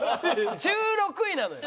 １６位なのよ。